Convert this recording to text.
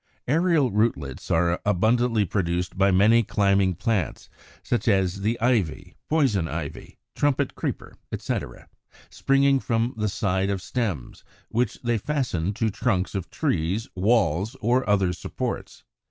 Aerial Rootlets are abundantly produced by many climbing plants, such as the Ivy, Poison Ivy, Trumpet Creeper, etc., springing from the side of stems, which they fasten to trunks of trees, walls, or other supports.